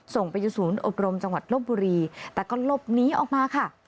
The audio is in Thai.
ส่งไปยังศูนย์อบรมจังหวัดลบบุรีแต่ก็หลบหนีออกมาค่ะ